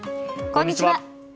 こんにちは。